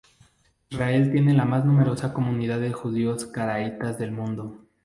Israel tiene la más numerosa comunidad de judíos caraítas del mundo.